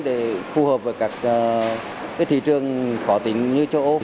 để phù hợp với các thị trường khó tính như châu âu